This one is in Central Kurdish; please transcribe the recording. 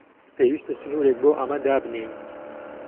پێویستە سنوورێک بۆ ئەمە دابنێین.